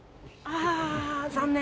ああ残念。